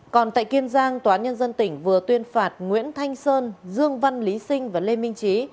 còn tại kiên giang tòa án nhân dân tỉnh vừa tuyên phạt nguyễn thanh sơn dương văn lý sinh và lê minh trí